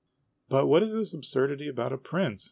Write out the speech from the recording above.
" But what is this absurdity about a prince?